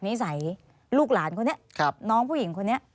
นิสัยลูกหลานคนนี้น้องผู้หญิงคนนี้